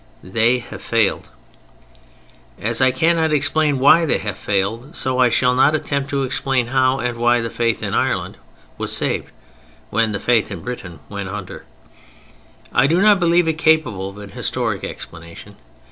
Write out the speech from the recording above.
They have failed. As I cannot explain why they have failed, so I shall not attempt to explain how and why the Faith in Ireland was saved when the Faith in Britain went under. I do not believe it capable of an historic explanation.